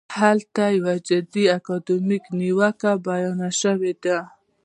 هلته یوه جدي اکاډمیکه نیوکه بیان شوې ده.